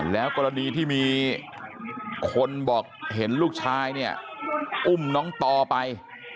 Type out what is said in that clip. แล้วกรณีที่มีคนบอกเห็นลูกชายเนี่ยอุ้มน้องต่อไป